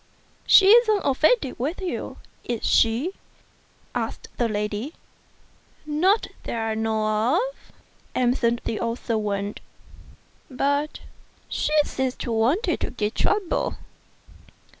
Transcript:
" She isn't offended with you; is she?" asked the lady. "Not that I know of," answered the old servant; "but she seems to want to give trouble?"